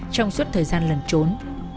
trong suốt thời gian lần trốn